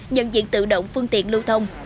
nhận diện tự động phương tiện lưu thông